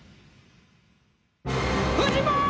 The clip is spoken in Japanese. フジモン！